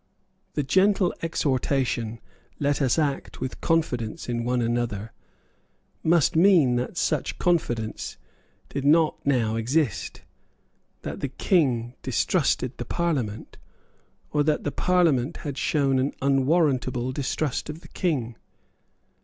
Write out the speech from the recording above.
The gentle exhortation, "Let us act with confidence in one another," must mean that such confidence did not now exist, that the King distrusted the Parliament, or that the Parliament had shown an unwarrantable distrust of the King.